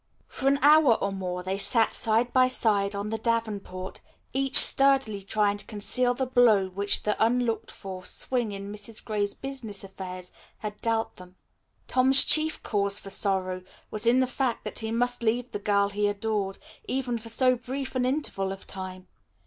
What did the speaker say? For an hour or more they sat side by side on the davenport, each sturdily trying to conceal the blow which the unlooked for swing in Mrs. Gray's business affairs had dealt them. Tom's chief cause for sorrow was in the fact that he must leave the girl he adored, even for so brief an interval of time.